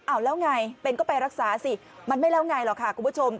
เอาแล้วไงเป็นก็ไปรักษาสิมันไม่แล้วไงหรอกค่ะคุณผู้ชม